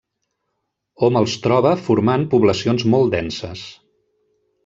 Hom els troba formant poblacions molt denses.